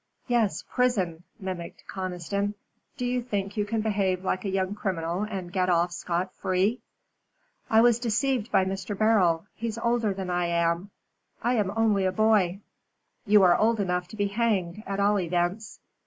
"Yes, prison," mimicked Conniston. "Do you think you can behave like a young criminal and get off scot free?" "I was deceived by Mr. Beryl. He's older than I am. I am only a boy." "You are old enough to be hanged, at all events."